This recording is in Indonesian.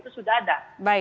itu sudah ada